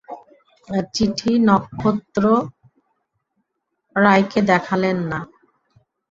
চিঠি নক্ষত্ররায়কে দেখাইলেন না।